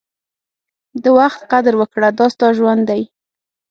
د وخت قدر وکړه، دا ستا ژوند دی.